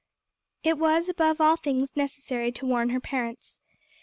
It was above all things necessary to warn her parents.